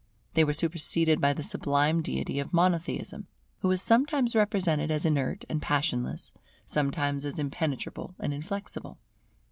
They were superseded by the sublime deity of Monotheism, who was sometimes represented as inert and passionless, sometimes as impenetrable and inflexible.